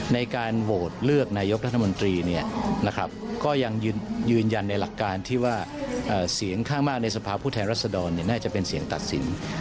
ในการโหวตเลือกนายกรัฐมนตรีก็ยังยืนยันในหลักการที่ว่าเสียงข้างมากในสภาพผู้แทนรัศดรน่าจะเป็นเสียงตัดสิน